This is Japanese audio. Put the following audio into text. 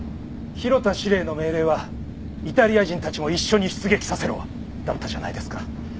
廣田司令の命令は「イタリア人たちも一緒に出撃させろ」だったじゃないですか。